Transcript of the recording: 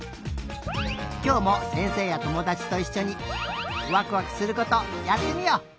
きょうもせんせいやともだちといっしょにわくわくすることやってみよう！